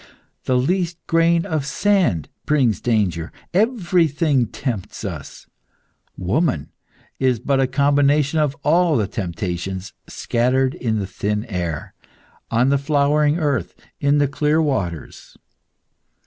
The least grain of sand brings danger. Everything tempts us. Woman is but a combination of all the temptations scattered in the thin air, on the flowering earth, in the clear waters.